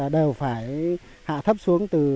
đều phải hạ thấp xuống